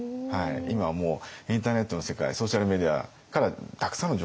今はもうインターネットの世界ソーシャルメディアからたくさんの情報が集まりますので。